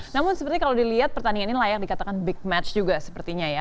namun seperti kalau dilihat pertandingan ini layak dikatakan big match juga sepertinya ya